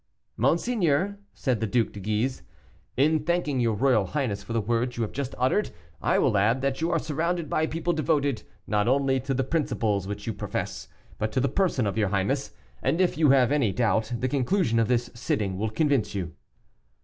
"Monseigneur," said the Duc de Guise, "in thanking your royal highness for the words you have just uttered, I will add that you are surrounded by people devoted not only to the principles which you profess, but to the person of your highness; and if you have any doubt, the conclusion of this sitting will convince you."